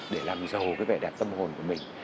để làm giàu cái vẻ đẹp tâm hồn của mình